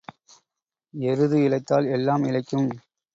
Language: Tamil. எருது இளைத்தால் எல்லாம் இளைக்கும்.